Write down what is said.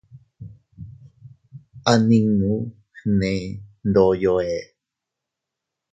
A ninnu gne ndoyo ee.